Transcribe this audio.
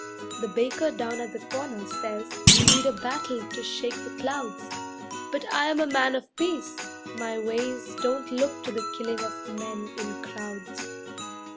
The baker down at the corner says We need a battle to shake the clouds; But I am a man of peace, my ways Don't look to the killing of men in crowds.